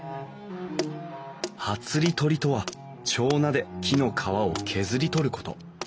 はつり取りとは手斧で木の皮を削り取ること。